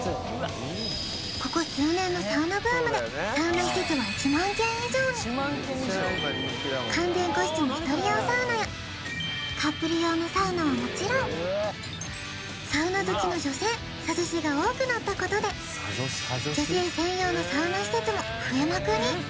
ここ数年のサウナブームでサウナ施設は１万軒以上にカップル用のサウナはもちろんサウナ好きの女性サ女子が多くなったことで施設も増えまくり